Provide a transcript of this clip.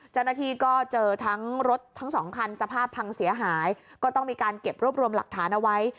เจ้าหน้าที่ก็เจอทั้งรถทั้งสองคันสภาพพังเสียหายก็ต้องมีการเก็บรวบรวมหลักฐานเอาไว้